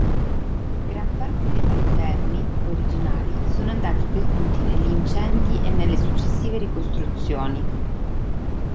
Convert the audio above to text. Gran parte degli interni originali sono andati perduti negli incendi e nelle successive ricostruzioni.